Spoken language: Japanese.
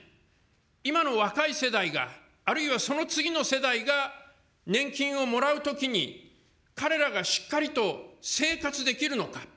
今の若い世代が、あるいは、その次の世代が年金をもらうときに、彼らがしっかりと生活できるのか。